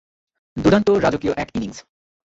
দুর্দান্ত রাজকীয় এক ইনিংস।